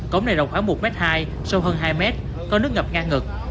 cống này rộng khoảng một m hai sâu hơn hai mét có nước ngập ngang ngực